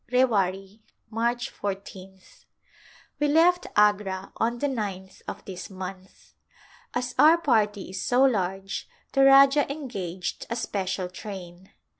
Rewari^ March I ph. We left Agra on the ninth of this month. As our party is so large the Rajah engaged a special train.